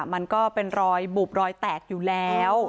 มันก็เป็นรอยบุบรอยแตกอยู่แล้ว